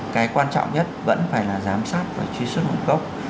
cái quan trọng nhất vẫn phải là giám sát và truy xuất nguồn gốc